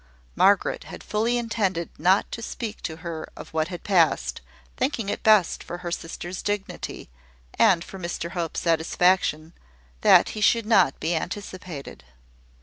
Margaret had fully intended not to speak to her of what had passed, thinking it best for her sister's dignity, and for Mr Hope's satisfaction, that he should not be anticipated.